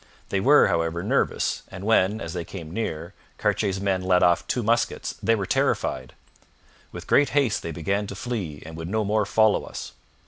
They were, however, nervous, and when, as they came near, Cartier's men let off two muskets they were terrified; 'with great haste they began to flee, and would no more follow us.'